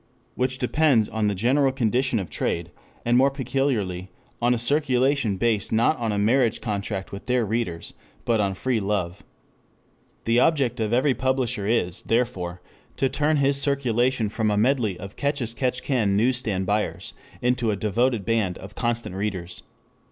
] which depends on the general condition of trade, and more peculiarly on a circulation based not on a marriage contract with their readers, but on free love. The object of every publisher is, therefore, to turn his circulation from a medley of catch as catch can news stand buyers into a devoted band of constant readers.